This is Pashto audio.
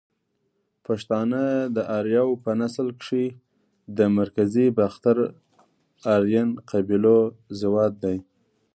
پښتانه ده اریاو په نسل کښی ده مرکزی باختر آرین قبیلو زواد دی